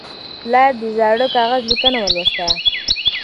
پلار د زاړه کاغذ لیکنه ولوستله.